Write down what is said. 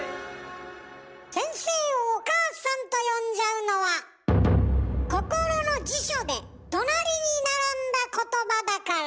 先生をお母さんと呼んじゃうのは心の辞書で隣に並んだ言葉だから。